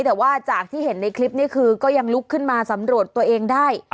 แต่ว่าจากที่เห็นในคลิปนี้คือก็ยังลุกขึ้นมาสำรวจตัวเองได้